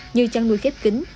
như chăn nuôi khép kính